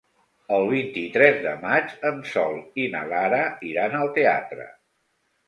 El vint-i-tres de maig en Sol i na Lara iran al teatre.